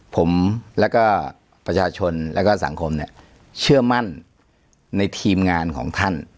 ผมแล้วก็ประชาชนแล้วก็สังคมเนี่ยเชื่อมั่นในทีมงานของท่าน